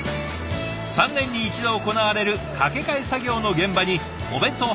３年に１度行われる架け替え作業の現場にお弁当